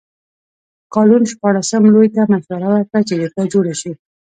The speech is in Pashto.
کالون شپاړسم لویي ته مشوره ورکړه چې جرګه جوړه کړي.